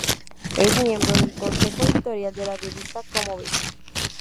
Es miembro del consejo editorial de la revista "¿Cómo ves?".